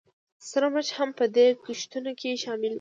سره مرچ هم په دې کښتونو کې شامل وو